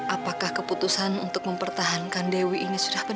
apakah keputusan untuk mempertahankan dewi ini sudah penuh